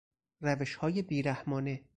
روشهای بیرحمانه